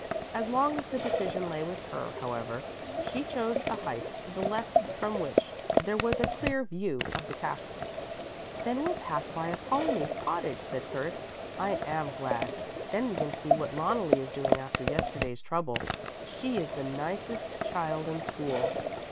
As long as the decision lay with her, however, she chose the height to the left from which there was a clear view of the castle. "Then we'll pass by Apollonie's cottage," said Kurt. "I am glad! Then we can see what Loneli is doing after yesterday's trouble. She is the nicest child in school."